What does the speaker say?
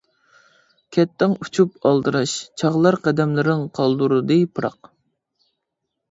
كەتتىڭ ئۇچۇپ ئالدىراش چاغلار قەدەملىرىڭ قالدۇردى پىراق.